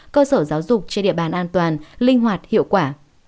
cơ sở giáo dục trên địa bàn an toàn linh hoạt hiệu quả